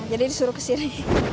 jadi disuruh kesini